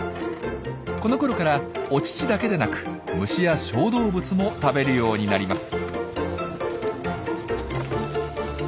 このころからお乳だけでなく虫や小動物も食べるようになります。